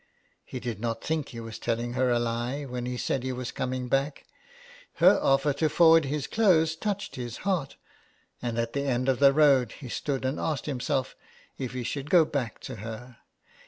He did not think he was telling her a lie when he said he was coming back. Her offer to forward his clothes touched his heart, and at the end of the road he stood and asked himself if he should go back to her.